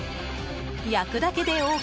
焼くだけでＯＫ。